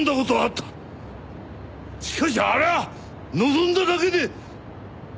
しかしあれは望んだだけで。